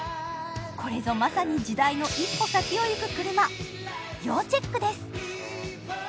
これぞまさに時代の一歩先をいく車要チェックです！